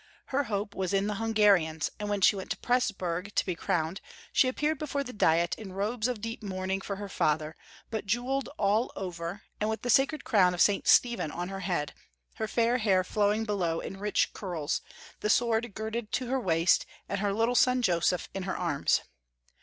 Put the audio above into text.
Her hope was in the Hungarians, and when she went to Presbui'g to be crowned, she ap 396 Young Folks^ History of Q ermany. peared before the diet in robes of deep mourning for her father, but jewelled all over, and with the sacred crown of St. Stephen on her head, her fair hair flowmg below in rich curls, the sword girded to her waist, and her little son Joseph in her arms.